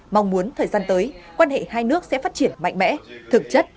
mong muốn thời gian tới quan hệ hai nước sẽ phát triển mạnh mẽ thực chất